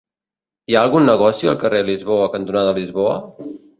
Hi ha algun negoci al carrer Lisboa cantonada Lisboa?